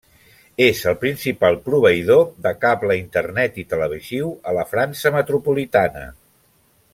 És el principal proveïdor de cable internet i televisiu a la França metropolitana.